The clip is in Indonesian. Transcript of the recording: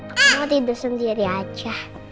kamu tidur sendiri aja